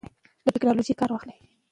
له ټیکنالوژۍ کار واخلئ.